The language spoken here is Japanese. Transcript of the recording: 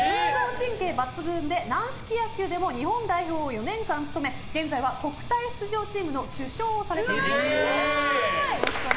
神経抜群で軟式野球でも日本代表を４年間務め現在は国体チームの主将をされています。